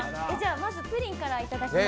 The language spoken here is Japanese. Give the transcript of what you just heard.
まずプリンからいただきます。